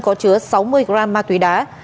có chứa sáu mươi gram ma túy đá